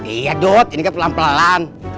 iya dot ini kan pelan pelan